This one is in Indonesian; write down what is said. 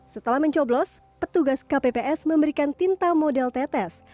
setelah mencoblos petugas kpps memberikan tinta model tetes